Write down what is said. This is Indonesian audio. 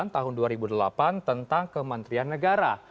tahun dua ribu delapan tentang kementerian negara